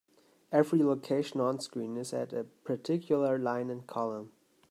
Every location onscreen is at a particular line and column.